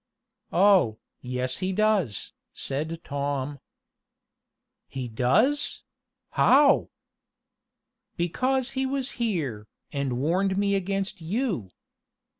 "Oh, yes he does," said Tom. "He does? How?" "Because he was here, and warned me against you!"